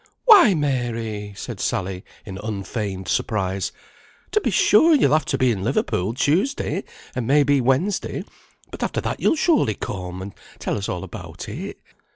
"Why, Mary!" said Sally, in unfeigned surprise. "To be sure you'll have to be in Liverpool, Tuesday, and may be Wednesday; but after that you'll surely come, and tell us all about it.